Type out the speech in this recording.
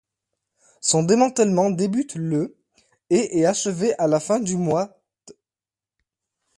Son démantèlement débute le et est achevé à la fin du mois d'.